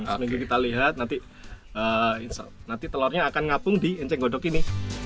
seminggu kita lihat nanti telurnya akan ngapung di enceng godok ini